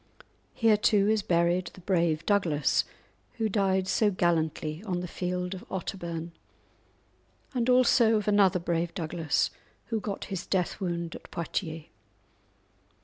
Here, too, is buried the brave Douglas who died so gallantly on the field of Otterbourne; and also of another brave Douglas who got his death wound at Poictiers.